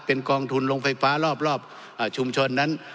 เป็นกองทุนโรงไฟฟ้ารอบชุมชนนั้น